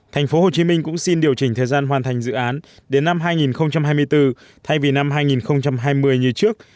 tp hcm cũng xin điều chỉnh thời gian hoàn thành dự án đến năm hai nghìn hai mươi bốn thay vì năm hai nghìn hai mươi như trước